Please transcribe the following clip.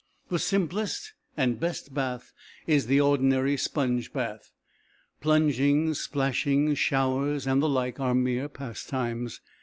The simplest and best bath is the ordinary sponge bath. Plungings, splashings, showers, and the like are mere pastimes.